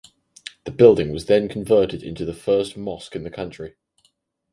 The building was then converted into the first mosque in the country.